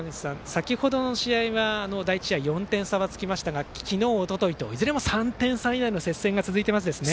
先程の試合は第１試合、４点差はつきましたが昨日、おとといといずれも３点差以内の接戦が続いていますね。